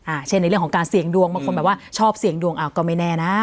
เช่นในเรื่องของการเสี่ยงดวงบางคนแบบว่าชอบเสี่ยงดวงอ้าวก็ไม่แน่นะ